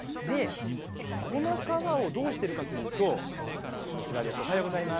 この皮をどうしているかというとこちらです。